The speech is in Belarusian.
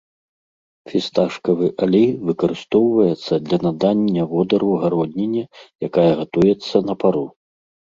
Фісташкавы алей выкарыстоўваецца для надання водару гародніне, якая гатуецца на пару.